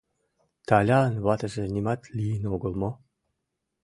Талян ватыже нимат лийын огыл мо?